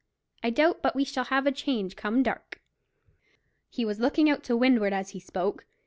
"I doubt but we shall have a change come dark." He was looking out to windward as he spoke.